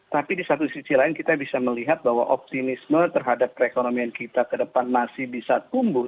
tapi di satu sisi lain kita bisa melihat bahwa optimisme terhadap perekonomian kita ke depan masih bisa tumbuh